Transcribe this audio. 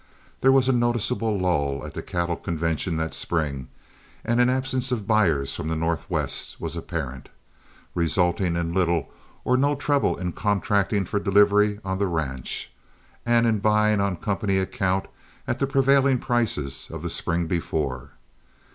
There was a noticeable lull at the cattle convention that spring, and an absence of buyers from the Northwest was apparent, resulting in little or no trouble in contracting for delivery on the ranch, and in buying on company account at the prevailing prices of the spring before.